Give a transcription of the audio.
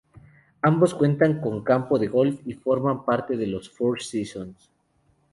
Ambos cuentan con campo de golf y forman parte de los Four Seasons.